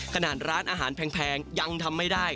ขนาดร้านอาหารแพงยังทำไม่ได้